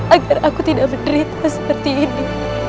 agar aku tidak berderita seperti ini